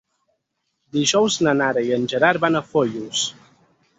Dijous na Nara i en Gerard van a Foios.